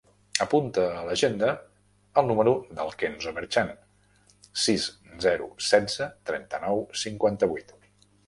Apunta a l'agenda el número del Kenzo Merchan: sis, zero, setze, trenta-nou, cinquanta-vuit.